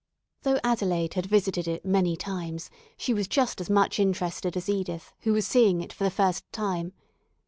Though Adelaide had visited it many times, she was just as much interested as Edith, who was seeing it for the first time.